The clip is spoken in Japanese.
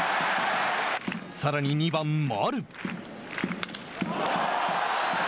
さらに２番、丸。